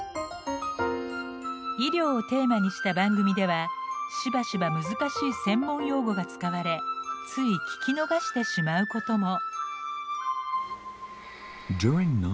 医療をテーマにした番組ではしばしば難しい専門用語が使われつい聞き逃してしまうことも。